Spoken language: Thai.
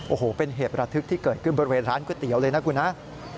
โอ้โหเป็นเหตุระทึกที่เกิดขึ้นบริเวณร้านก๋วยเตี๋ยวเลยนะคุณฮะ